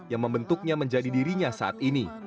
yang membentuknya menjadi dirinya saat ini